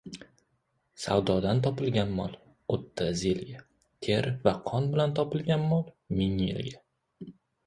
• Savdodan topilgan mol — o‘ttiz yilga, ter va qon bilan topilgan mol — ming yilga.